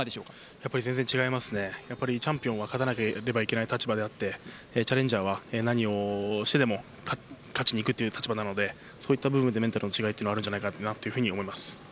やっぱり全然違いますね、チャンピオンはやっぱり勝たなければいけない立場なので、チャレンジャーは何をしてでも勝ちにいくという立場なのでそういった部分でメンタルの違いはあるのではないかと思います。